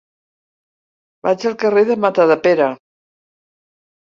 Vaig al carrer de Matadepera.